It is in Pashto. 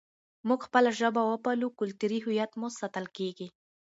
موږ خپله ژبه وپالو، کلتوري هویت مو ساتل کېږي.